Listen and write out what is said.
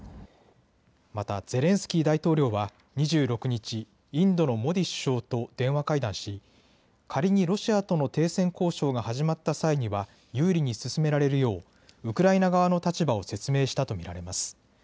またゼレンスキー大統領は２６日、インドのモディ首相と電話会談し仮にロシアとの停戦交渉が始まった際には有利に進められるようウクライナ側の立場を説明したと見られます。